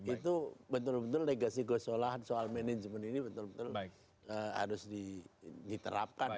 itu betul betul legasi gosola soal manajemen ini betul betul harus diterapkan